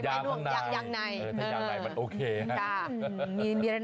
ถ้ายางในมันโอเค